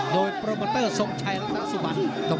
โดยโปรโมเตอร์สมชายและทนสุบัน